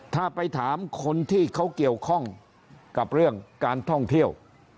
ถ้าไปถามคนที่เขาเกี่ยวข้องกับเรื่องการท่องเที่ยว